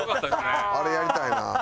あれやりたいな。